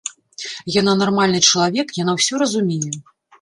Яна нармальны чалавек, яна ўсё разумее.